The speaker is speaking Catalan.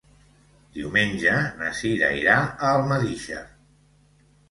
Diumenge na Cira irà a Almedíxer.